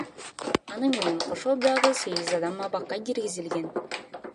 Аны менен кошо дагы сегиз адам абакка киргизилген.